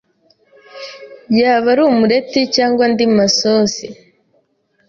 yaba ari umureti cg andi masosi.